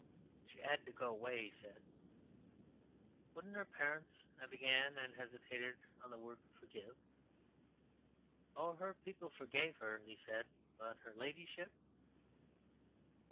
"She 'ad to go away," he said. "Wouldn't her parents," I began, and hesitated on the word "forgive." "Oh, her people forgave her," he said. "But Her Ladyship..."